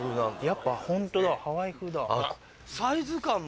やっぱホントだハワイ風だ。